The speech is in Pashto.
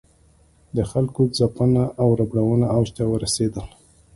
د خلکو ځپنه او ربړونه اوج ته ورسېدل.